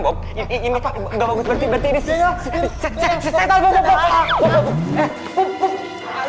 berarti ini si setan